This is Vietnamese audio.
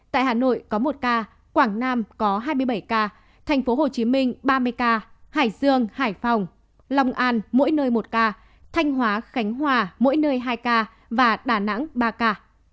tại hà nội có một ca quảng nam có hai mươi bảy ca tp hcm ba mươi ca hải dương hải phòng long an mỗi nơi một ca thanh hóa khánh hòa mỗi nơi hai ca và đà nẵng ba ca